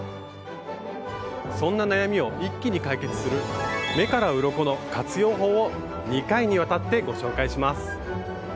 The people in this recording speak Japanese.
そんな悩みを一気に解決する「目からうろこ」の活用法を２回にわたってご紹介します！